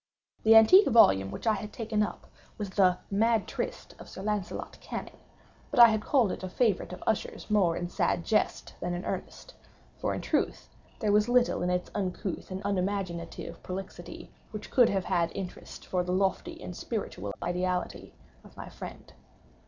The antique volume which I had taken up was the "Mad Trist" of Sir Launcelot Canning; but I had called it a favorite of Usher's more in sad jest than in earnest; for, in truth, there is little in its uncouth and unimaginative prolixity which could have had interest for the lofty and spiritual ideality of my friend.